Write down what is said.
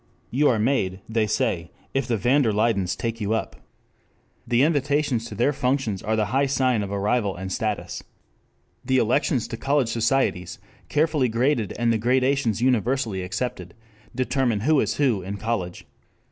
You are made, they say, if the van der Luydens take you up. The invitations to their functions are the high sign of arrival and status. The elections to college societies, carefully graded and the gradations universally accepted, determine who is who in college.